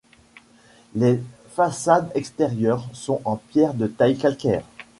Les façades extérieures sont en pierre de taille calcaire.